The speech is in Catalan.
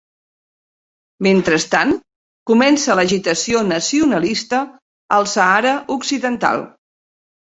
Mentrestant, comença l'agitació nacionalista al Sàhara Occidental.